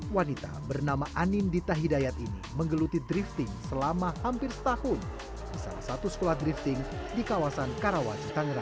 wanita bernama anindita hidayat ini menggeluti drifting selama hampir setahun di salah satu sekolah drifting di kawasan karawaci tangerang